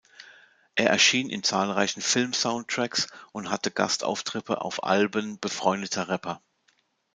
Er erschien in zahlreichen Film-Soundtracks und hatte Gastauftritte auf Alben befreundeter Rapper.